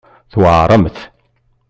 Tweɛremt.